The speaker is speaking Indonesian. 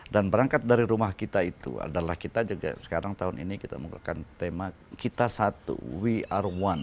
dan berangkat dari rumah kita itu adalah kita juga sekarang tahun ini kita menggunakan tema kita satu we are one